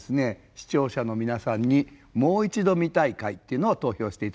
視聴者の皆さんにもう一度見たい回っていうのを投票して頂きました。